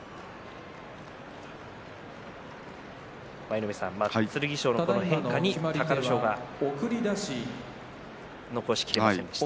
舞の海さん剣翔の変化に隆の勝は残し切れませんでした。